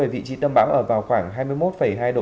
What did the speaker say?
vị trí tâm bão ở vào khoảng hai mươi một hai độ